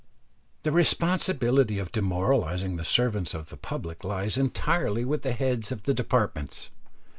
The responsibility of demoralising the servants of the public lies entirely with the heads of the departments.